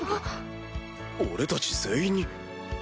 俺たち全員に？